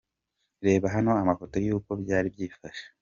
Reba hano amafoto y’uko byari byifashe.